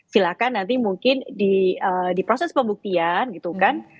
silahkan nanti mungkin di proses pembuktian gitu kan